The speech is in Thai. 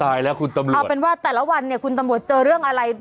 แล้วคุณตำรวจเอาเป็นว่าแต่ละวันเนี่ยคุณตำรวจเจอเรื่องอะไร